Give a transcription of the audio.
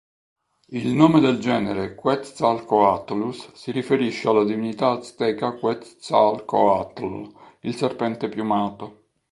Il nome del genere, "Quetzalcoatlus", si riferisce alla divinità azteca Quetzalcoatl, il "serpente piumato".